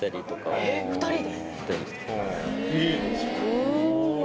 お！